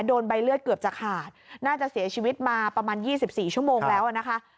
โดนใบเลือดเกือบจะขาดน่าจะเสียชีวิตมาประมาณ๒๔ชั่วโมงแล้วนะคะ